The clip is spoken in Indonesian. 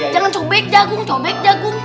jangan cobek jagung